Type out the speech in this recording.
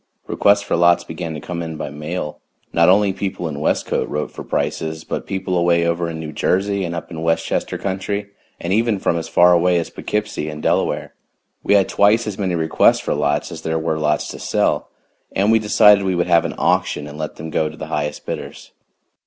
Requests for lots began to come in by mail. Not only people in Westcote wrote for prices, but people away over in New Jersey and up in Westchester Country, and even from as far away as Poughkeepsie and Delaware. We had twice as many requests for lots as there were lots to sell, and we decided we would have an auction and let them go to the highest bidders.